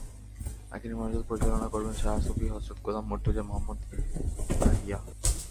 আখেরি মোনাজাত পরিচালনা করবেন শাহ সুফি হজরত গোলাম মতুর্জা মুহাম্মদ ইয়াহিয়া।